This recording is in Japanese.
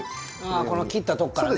この切ったとこからね。